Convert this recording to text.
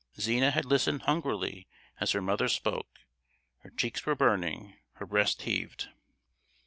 Zina had listened hungrily as her mother spoke; her cheeks were burning, her breast heaved.